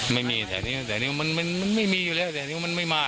ไม่มีแถวนี้แถวนี้มันไม่มีอยู่แล้วแถวนี้มันไม่มา